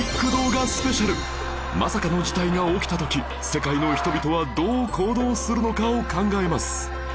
まさかの事態が起きた時世界の人々はどう行動するのかを考えます